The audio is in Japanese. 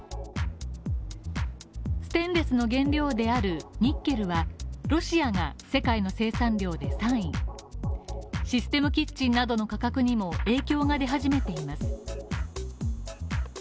ステンレスの原料であるニッケルは、ロシアが世界の生産量で３位システムキッチンなどの価格にも影響が出始めています。